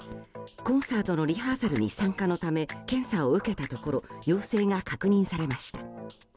コンサートのリハーサルに参加のため、検査を受けたところ陽性が確認されました。